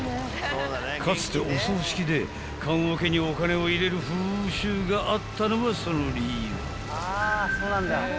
［かつてお葬式で棺おけにお金を入れる風習があったのはその理由］